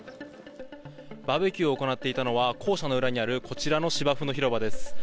バーベキューを行っていたのは校舎の裏にあるこちらの芝生の広場です。